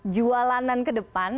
jualanan ke depan